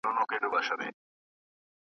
خدایه ستا پر ښکلې مځکه له مقامه ګیله من یم .